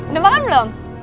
udah makan belum